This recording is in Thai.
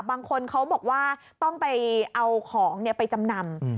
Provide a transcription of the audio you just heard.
บางคนเขาบอกว่าต้องไปเอาของไปจำนำ